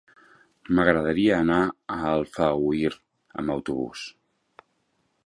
M'agradaria anar a Alfauir amb autobús.